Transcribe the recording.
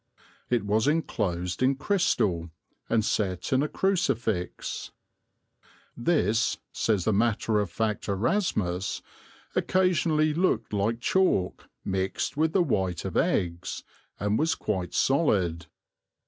It was enclosed in crystal and set in a crucifix. This, says the matter of fact Erasmus, occasionally looked like chalk, mixed with the white of eggs, and was quite solid.